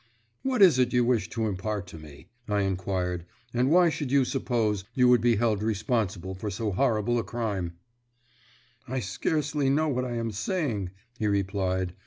"What is it you wish to impart to me?" I inquired, "and why should you suppose you would be held responsible for so horrible a crime?" "I scarcely know what I am saying," he replied.